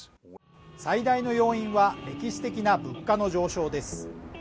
最大の要因は歴史的な物価の上昇です